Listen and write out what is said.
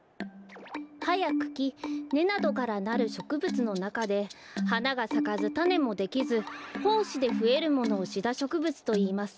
はやくきねなどからなるしょくぶつのなかではながさかずたねもできずほうしでふえるものをシダしょくぶつといいます。